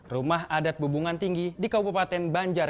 rumah adat bubungan tinggi di kabupaten banjar